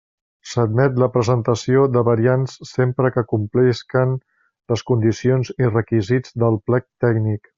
S'admet la presentació de variants sempre que complisquen les condicions i requisits del plec tècnic.